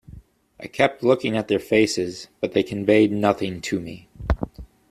I kept looking at their faces, but they conveyed nothing to me.